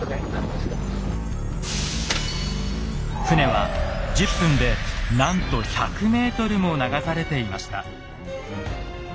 船は１０分でなんと１００ｍも流されていました。